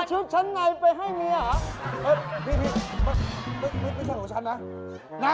ชุดชะไนไปให้เมียหรอพี่ไม่ใช่ของฉันนะ